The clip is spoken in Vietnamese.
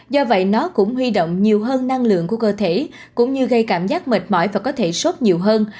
do vậy nó cũng huy động nhiều hơn năng lượng của cơ thể cũng như gây cảm giác mệt mỏi và có thể sốt nhiều hơn